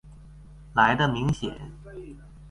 來的明顯